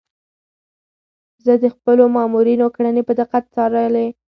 ده د خپلو مامورينو کړنې په دقت څارلې.